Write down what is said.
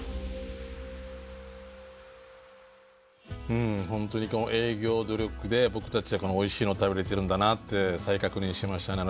うん本当にこの営業努力で僕たちはこのおいしいの食べれてるんだなって再確認しましたね。